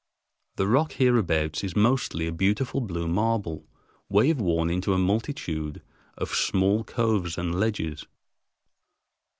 The rock hereabouts is mostly a beautiful blue marble, waveworn into a multitude of small coves and ledges.